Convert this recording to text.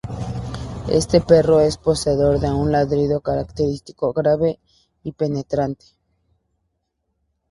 Este perro es poseedor de un ladrido característico, grave y penetrante.